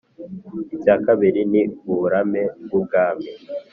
icya kabiri ni uburame bw'ubwami